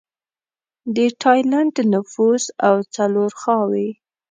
د ټایلنډ نفوس او څلور خواووې